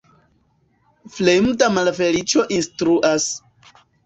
Fremda malfeliĉo instruas.